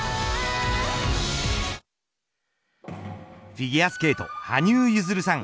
フィギュアスケート羽生結弦さん